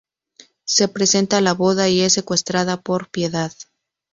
Se presenta a la boda y es secuestrada por Piedad.